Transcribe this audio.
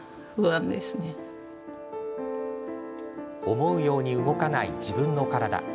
思うように動かない自分の体。